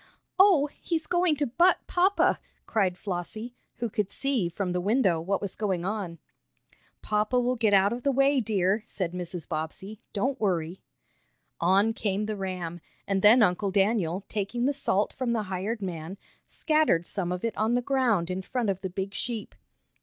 "Oh, he's going to butt papa!" cried Flossie, who could see, from the window, what was going on. "Papa will get out of the way, dear," said Mrs. Bobbsey. "Don't worry." On came the ram, and then Uncle Daniel, taking the salt from the hired man, scattered some of it on the ground in front of the big sheep.